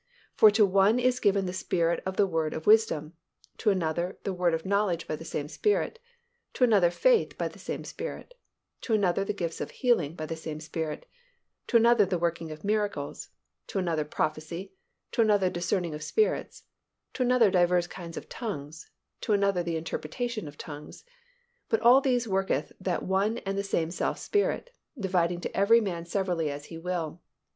For to one is given by the Spirit the word of wisdom; to another the word of knowledge by the same Spirit; to another faith by the same Spirit; to another the gifts of healing by the same Spirit; to another the working of miracles; to another prophecy; to another discerning of spirits; to another divers kind of tongues; to another the interpretation of tongues: but all these worketh that one and the selfsame Spirit, dividing to every man severally as He will.